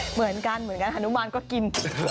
เหมือนกันภาชสินก็กิน